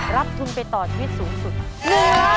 รับทุนไปต่อชีวิตสูงสุด๑ล้านบาท